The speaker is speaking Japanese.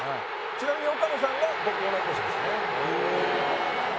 ちなみに岡野さんが僕と同い年ですね。